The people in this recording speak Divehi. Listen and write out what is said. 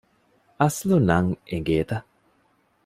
އަސްލު ނަން އެނގޭތަ؟